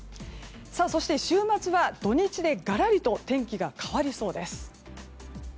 そして、週末は土日でがらりと天気が変わりそうです。